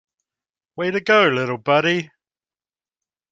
Way to go little buddy!.